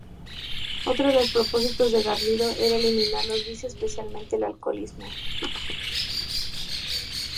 Otro de los propósitos de Garrido era eliminar los vicios, especialmente el alcoholismo.